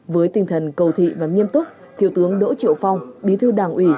với tinh thần cầu thị và nghiêm túc thiếu tướng đỗ triệu phong bí thư đảng ủy